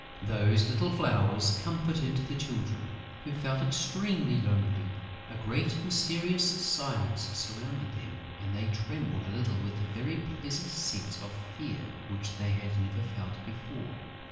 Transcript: Those little flowers comforted the Children, who felt extremely lonely. A great mysterious silence surrounded them; and they trembled a little with a very pleasant sense of fear which they had never felt before.